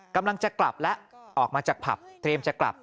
กำลังจะกลับแล้วออกมาจากผับเตรียมจะกลับ